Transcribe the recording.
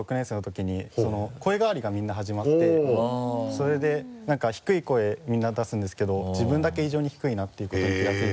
それでなんか低い声みんな出すんですけど自分だけ異常に低いなっていうことに気がついて。